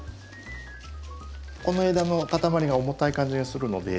この枝のかたまりが重たい感じがするので。